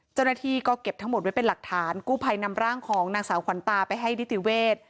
เจ้าหน้าที่ก็เก็บทั้งหมดไว้เป็นหลักฐานกู้ภัยนำร่างของนางสาวขวัญตาไปให้นิติเวศ